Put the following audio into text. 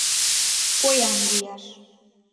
— Поян лияш.